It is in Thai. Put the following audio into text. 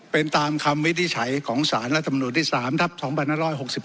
เป็นตามคำวิทย์ใช้ของสารและธรรมนุษย์ที่๓ทัพ๒บรรยา๑๖๒